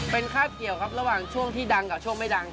เป็นคราบเกี่ยวครับระหว่างช่วงที่ดังกับช่วงไม่ดัง